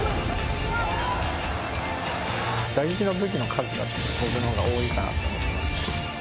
打撃の武器の数は俺のほうが多いかなと思います。